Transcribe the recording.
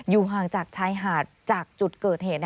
ห่างจากชายหาดจากจุดเกิดเหตุ